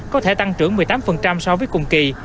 có thể tăng trưởng một mươi tám so với năm trước